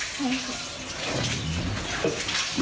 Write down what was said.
ไม่ค่ะ